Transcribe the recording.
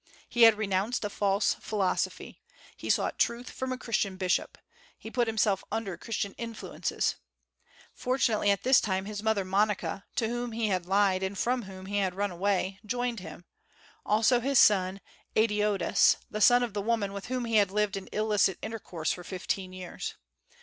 He had renounced a false philosophy; he sought truth from a Christian bishop; he put himself under Christian influences. Fortunately at this time his mother Monica, to whom he had lied and from whom he had run away, joined him; also his son Adeodatus, the son of the woman with whom he had lived in illicit intercourse for fifteen years.